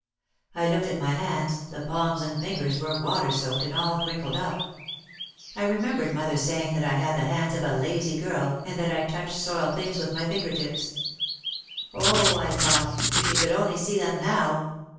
I looked at my hands, the palms and fingers were water soaked and all crinkled up. I remembered mother saying that I had the hands of a lazy girl, and that I touched soiled things with my finger tips. "Oh!" I thought, "if she could only see them now